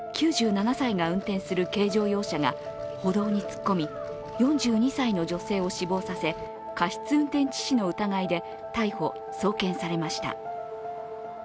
９７歳が運転する軽乗用車が歩道に突っ込み、４２歳の女性を死亡させ過失運転致死の疑いで逮捕・送検されました。